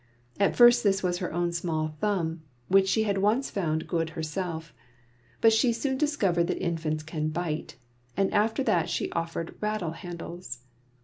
At first this was her own small thumb, which she had once found good herself; but she soon discovered that infants can bite, and after that she offered rattle handles.